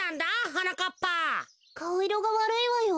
はなかっぱ。かおいろがわるいわよ。